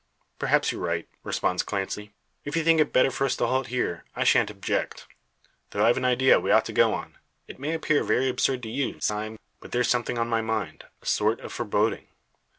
"Perhaps you're right," responds Clancy, "If you think it better for us to halt here, I shan't object; though I've an idea we ought to go on. It may appear very absurd to you, Sime, but there's something on my mind a sort of foreboding."